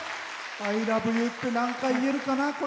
アイラブユーって何回、言えるかな？